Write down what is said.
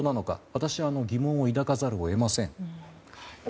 私は疑問を抱かざるを得ません。